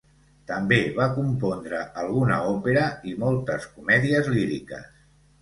També va compondre alguna òpera i moltes comèdies líriques.